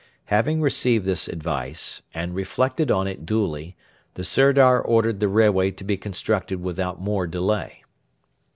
Having received this advice, and reflected on it duly, the Sirdar ordered the railway to be constructed without more delay.